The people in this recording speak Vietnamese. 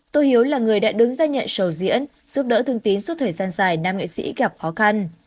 tô hiếu là người đã đứng ra nhận sầu diễn giúp đỡ thương tín suốt thời gian dài nam nghệ sĩ gặp khó khăn